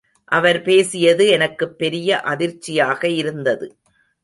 அவர் பேசியது எனக்குப் பெரிய அதிர்ச்சியாக இருந்தது.